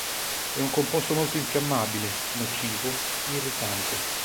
È un composto molto infiammabile, nocivo, irritante.